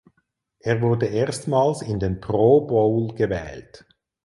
Er wurde erstmals in den Pro Bowl gewählt.